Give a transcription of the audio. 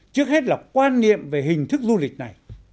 trước hết là quan niệm về hình thức du lịch này